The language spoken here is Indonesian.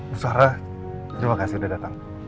usara terima kasih udah datang